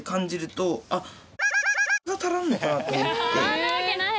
そんなわけない！